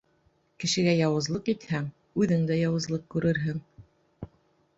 Кешегә яуызлыҡ итһәң, үҙең дә яуызлыҡ күрерһең.